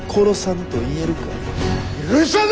許さぬ！